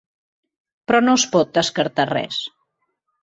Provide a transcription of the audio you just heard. Però no es pot descartar res.